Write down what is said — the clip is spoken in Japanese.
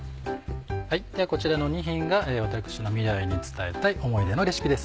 ではこちらの２品が私の「未来に伝えたい思い出のレシピ」です。